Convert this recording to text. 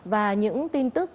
và những tin tức